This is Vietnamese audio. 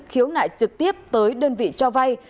khiếu nại trực tiếp tới đơn vị cho vai